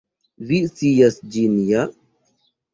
Vi scias ĝin ja?